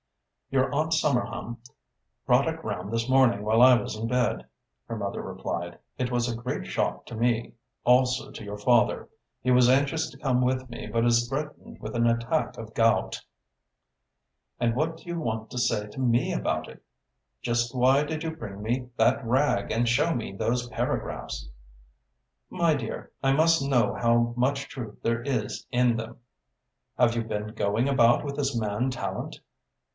"Your Aunt Somerham brought it round this morning while I was in bed," her mother replied. "It was a great shock to me. Also to your father. He was anxious to come with me but is threatened with an attack of gout." "And what do you want to say to me about it? Just why did you bring me that rag and show me those paragraphs?" "My dear, I must know how much truth there is in them. Have you been going about with this man Tallente?"